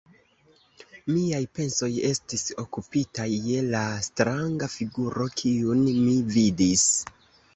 Miaj pensoj estis okupitaj je la stranga figuro, kiun mi vidis.